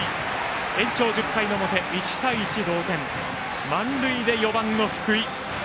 延長１０回の表、１対１同点満塁で４番の福井。